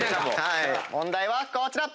問題はこちら。